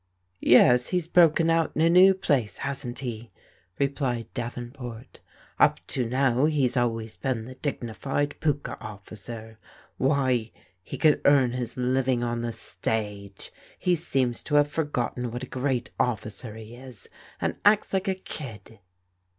"Yes, he's broken out in a new place, hasn't he?" replied Davenport. " Up to now he's always been the dignified * pukka ' officer. Why, he could earn his living on the stage ! He seems to have forgotten what a great officer he is, and acts like a kid."